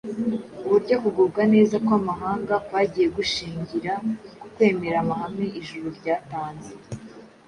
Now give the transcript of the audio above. uburyo kugubwa neza kw’amahanga kwagiye gushingira ku kwemera amahame ijuru ryatanze.